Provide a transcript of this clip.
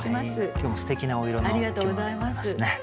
今日もすてきなお色のお着物でございますね。